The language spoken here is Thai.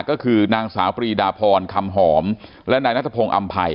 ก็คือนางสาวปรีดาพรคำหอมและนายนัทพงศ์อำภัย